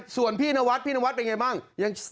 ส่วนพี่นวัดพี่นวัดเป็นไงบ้าง